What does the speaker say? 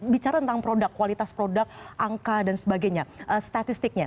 bicara tentang produk kualitas produk angka dan sebagainya statistiknya